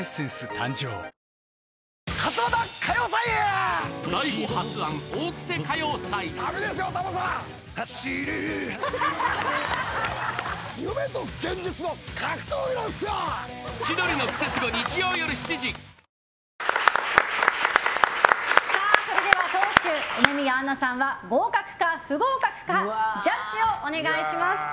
誕生では、党首梅宮アンナさんは合格か不合格かジャッジをお願いします。